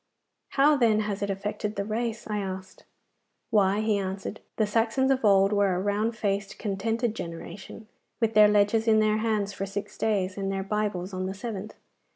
'How, then, has it affected the race?' I asked. 'Why,' he answered, 'the Saxons of old were a round faced, contented generation, with their ledgers in their hands for six days and their bibles on the seventh.